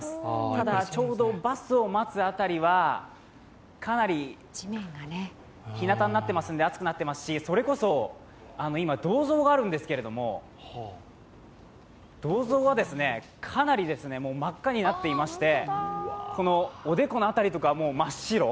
ただ、ちょうどバスを待つ辺りはかなり日なたになっていますので暑くなっていますし、それこそ今、銅像があるんですけれども、銅像は真っ赤になっていまして、おでこの辺りとかは真っ白。